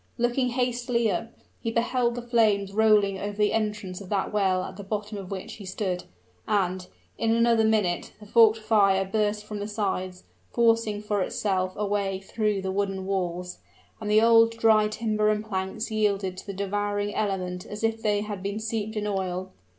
Looking hastily up, he beheld the flames rolling over the entrance of that well at the bottom of which he stood; and, in another minute, the forked fire burst from the sides, forcing for itself a way through the wooden walls; and the old dry timber and planks yielded to the devouring element as if they had been steeped in oil.